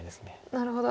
なるほど。